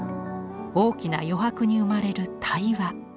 大きな余白に生まれる「対話」。